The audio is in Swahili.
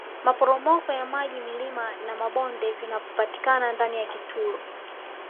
maporomoko ya maji milima na mabonde vianpatikana ndani ya kitulo